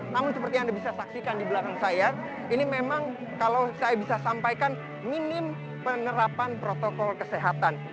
namun seperti yang anda bisa saksikan di belakang saya ini memang kalau saya bisa sampaikan minim penerapan protokol kesehatan